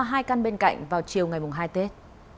hai căn bên cạnh vào chiều ngày hai tết